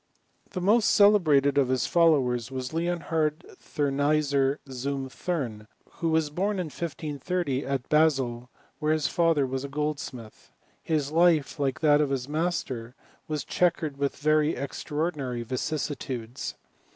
The most celebrated of his followers was Leonhard Thumeysser zum Thurn, who was bom in 1530, at Basle, where his father was a goldsmith. His life, like that of his master, was checkered with very extra ordinary vicissitudes.